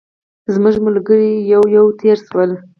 زموږ ملګري یو یو تېر شول.